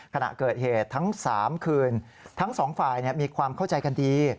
ขณะเกิดเหตุทั้ง๓คืนทั้งสองฝ่ายมีความเข้าใจกันดี